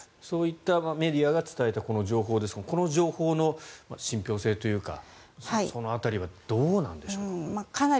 そういったメディアが伝えた、この情報ですがこの情報の信ぴょう性というかその辺りはどうなんでしょうか？